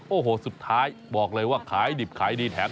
โอ้โหสุดท้ายบอกเลยว่าขายดิบขายดีแถม